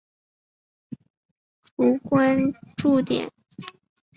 主关注点。